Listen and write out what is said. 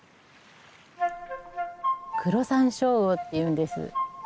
クロサンショウウオっていうんです。